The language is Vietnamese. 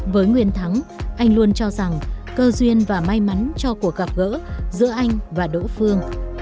với nguyên thắng anh luôn cho rằng cơ duyên và may mắn cho cuộc gặp gỡ giữa anh và đỗ phương